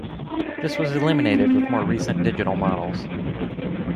This was eliminated with more recent digital models.